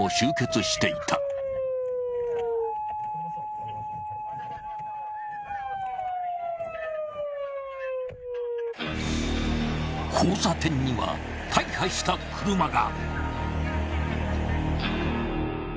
ウーー交差点には大破した車が。